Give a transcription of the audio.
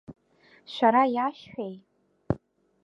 Шәара иашәҳәеи?